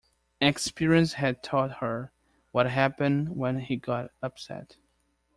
Experience had taught her what happened when he got upset.